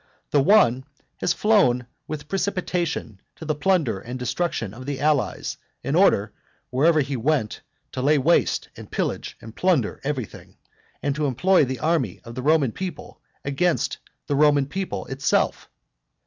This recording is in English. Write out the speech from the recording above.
The one had flown with precipitation to the plunder and destruction of the allies, in order, wherever he went, to lay waste, and pillage, and plunder everything, and to employ the army of the Roman people against the Roman people itself.